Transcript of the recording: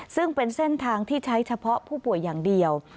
ซึ่งเป็นเส้นทางที่ใช้เฉพาะผู้ป่วยอย่างเดียว